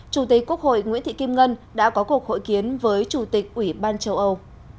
chủ tịch quốc hội nguyễn thị kim ngân đã có cuộc hội kiến với chủ tịch ủy ban châu âu